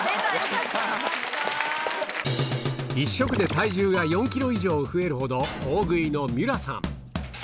１食で体重が４ｋｇ以上増えるほど大食いのみゅらさん